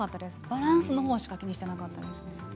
バランスのほうしか気にしていなかったです。